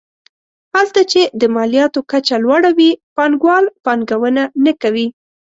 هلته چې د مالیاتو کچه لوړه وي پانګوال پانګونه نه کوي.